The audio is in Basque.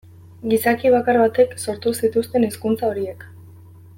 Gizaki bakar batek sortu zituzten hizkuntza horiek.